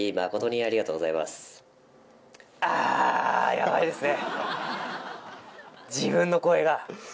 ヤバいですね！